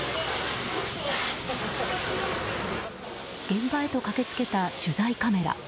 現場へと駆けつけた取材カメラ。